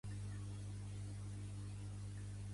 Els ous hivernen i es desclouen a l'abril.